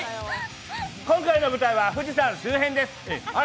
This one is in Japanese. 今回の舞台は富士山周辺です。